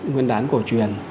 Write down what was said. nguyên đán cổ truyền